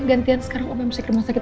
gantian sekarang omah mau ke rumah sakit